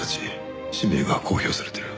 氏名が公表されてる。